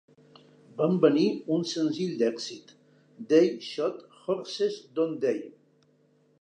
Van venir un senzill d'èxit, "They Shoot Horses, Don't They?".